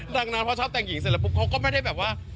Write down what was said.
ดังนั้นพอชอบแต่งหญิงเสร็จแล้วปุ๊บเขาก็ไม่ได้แบบว่า